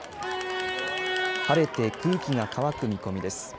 晴れて、空気が乾く見込みです。